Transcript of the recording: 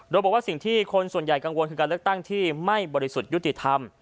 โดยบอกว่าสิ่งที่คนส่วนใหญ่กังวลคือการเลือกตั้งที่ไม่บริสุทธิ์ยุติธรรม